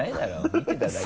見てただけ。